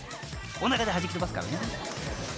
おなかではじき飛ばすからね］